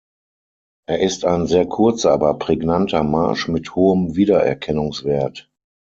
Er ist ein sehr kurzer, aber prägnanter Marsch mit hohem Wiedererkennungswert.